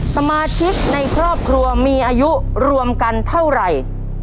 สมาชิกในครอบครัวมีอายุรวมกันเท่าไหร่